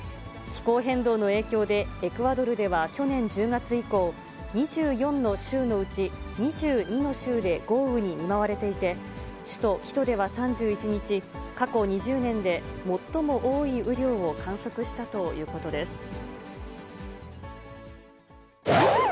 気候変動の影響で、エクアドルでは去年１０月以降、２４の州のうち２２の州で豪雨に見舞われていて、首都キトでは３１日、過去２０年で最も多い雨量を観測したということです。